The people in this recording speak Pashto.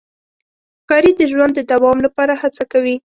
ښکاري د ژوند د دوام لپاره هڅه کوي.